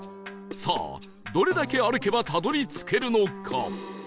さあどれだけ歩けばたどり着けるのか？